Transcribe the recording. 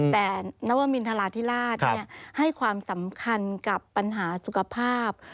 แต่นวมินทราธิราชให้ความสำคัญกับปัญหาสุขภาพ